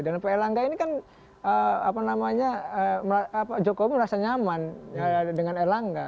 dan pak erlangga ini kan apa namanya pak jokowi merasa nyaman dengan erlangga